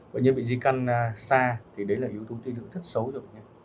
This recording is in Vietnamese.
bệnh nhân bị di căn xa thì đấy là yếu tố tiêu thức rất xấu rồi